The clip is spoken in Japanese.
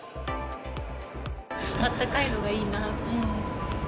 あったかいのがいいな。